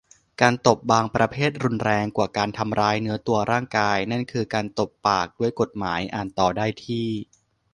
การตบบางประเภทรุนแรงกว่าการทำร้ายเนื้อตัวร่างกาย นั้นคือ การตบปากด้วยกฎหมาย อ่านต่อได้ที่